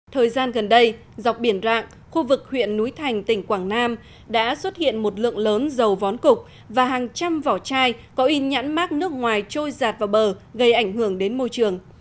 thời gian gần đây dọc biển rạng khu vực huyện núi thành tỉnh quảng nam đã xuất hiện một lượng lớn dầu vón cục và hàng trăm vỏ chai có in nhãn mát nước ngoài trôi giạt vào bờ gây ảnh hưởng đến môi trường